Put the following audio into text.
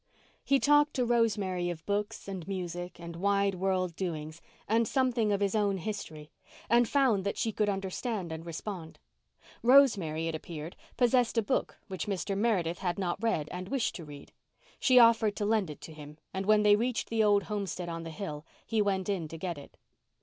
He talked to Rosemary of books and music and wide world doings and something of his own history, and found that she could understand and respond. Rosemary, it appeared, possessed a book which Mr. Meredith had not read and wished to read. She offered to lend it to him and when they reached the old homestead on the hill he went in to get it.